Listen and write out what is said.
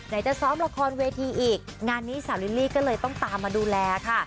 จะซ้อมละครเวทีอีกงานนี้สาวลิลลี่ก็เลยต้องตามมาดูแลค่ะ